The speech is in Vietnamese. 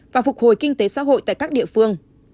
và phục hồi kinh tế xã hội tại các địa phương